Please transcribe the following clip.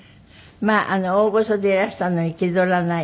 まあ大御所でいらしたのに気取らない。